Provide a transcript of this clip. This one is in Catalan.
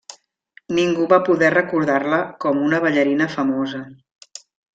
Ningú va poder recordar-la com una ballarina famosa.